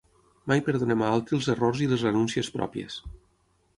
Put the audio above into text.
Mai perdonem a altri els errors i les renúncies pròpies.